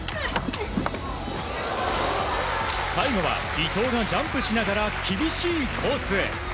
最後は伊藤がジャンプしながら厳しいコースへ。